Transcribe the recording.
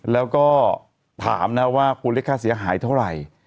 แล้วก็ถามนะว่าคุณเรียกค่าเสียหายเท่าไหร่